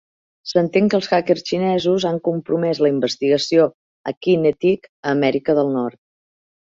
S'entén que els hackers xinesos han compromès la investigació a QinetiQ a Amèrica del Nord.